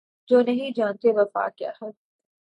جو نہیں جانتے وفا کیا ہے